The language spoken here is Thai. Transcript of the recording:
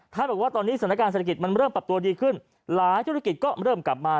ท่านบอกว่าตอนนี้ศาลการณ์เศรษฐกิจมันเริ่มปรับตัวดีขึ้นหลายศาลการณ์เศรษฐกิจก็เริ่มกลับมา